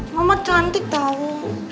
mama cantik tau